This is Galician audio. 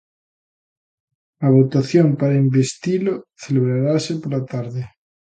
A votación para investilo celebrarase pola tarde.